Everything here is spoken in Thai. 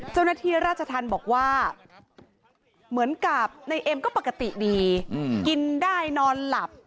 เจ้าหน้าที่ราชธรรมบอกว่าเหมือนกับนายเอ็มก็ปกติดีกินได้นอนหลับ